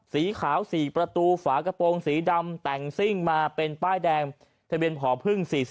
สีขาว๔ประตูฝากระโปรงสีดำแต่งซิ่งมาเป็นป้ายแดงทะเบียนผอพึ่ง๔๔